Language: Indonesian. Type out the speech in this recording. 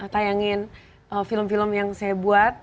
tayangin film film yang saya buat